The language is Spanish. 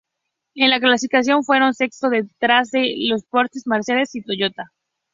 En la clasificación fueron sexto, detrás de los Porsche, Mercedes y Toyota.